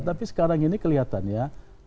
tapi sekarang ini kelihatan ya